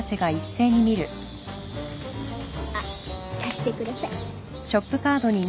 あっ貸してください